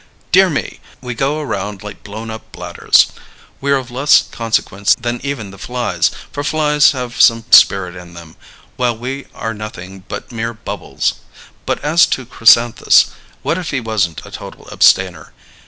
Dear me! we go around like blown up bladders. We're of less consequence than even the flies, for flies have some spirit in them, while we are nothing but mere bubbles. But as to Chrysanthus, what if he wasn't a total abstainer?